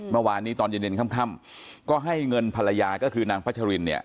เมื่อวานนี้ตอนเย็นค่ำก็ให้เงินภรรยาก็คือนางพัชรินเนี่ย